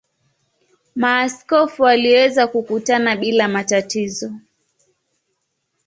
Maaskofu waliweza kukutana bila matatizo.